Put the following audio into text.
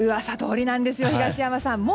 噂どおりなんですよ東山さん。